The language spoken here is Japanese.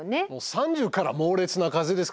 ３０から猛烈な風ですか。